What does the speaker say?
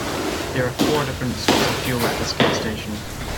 There are four different sorts of fuel at this gas station.